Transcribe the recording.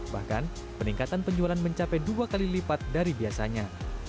bahkan peningkatan penjualan mencapai dua kali lipat dari biasanya